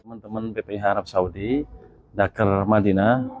teman teman bph arab saudi daker madinah